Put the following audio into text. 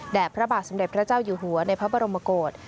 แดดพระบาทสำเร็จพระเจ้าอยู่หัวในพระพระมกกล